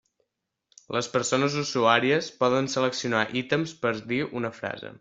Les persones usuàries poden seleccionar ítems per dir una frase.